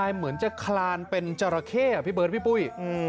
เหมือนจะคลานเป็นจราเข้อ่ะพี่เบิร์ดพี่ปุ้ย